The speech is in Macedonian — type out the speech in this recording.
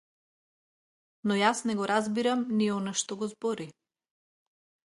Но јас не го разбирам ни она што го збори!